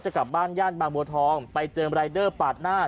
กลับบ้านย่านบางบัวทองไปเจอรายเดอร์ปาดหน้า